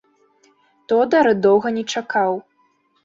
Тодар доўга не чакаў.